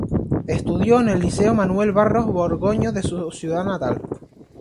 Estudió en el Liceo Manuel Barros Borgoño de su ciudad natal.